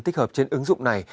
tích hợp trên ứng dụng này